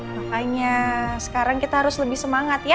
makanya sekarang kita harus lebih semangat ya